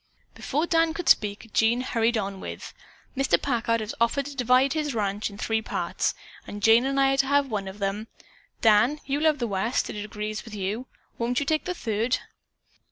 Before Dan could speak, Jean hurried on with, "Mr. Packard has offered to divide his ranch in three parts, and Jane and I are to have one of them. Dan, you love the West. It agrees with you. Won't you take the third?"